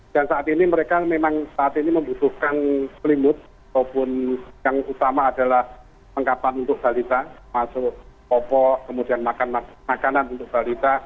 dan saat ini mereka memang saat ini membutuhkan pelimut maupun yang utama adalah pengkapan untuk balita masuk popok kemudian makan makanan untuk balita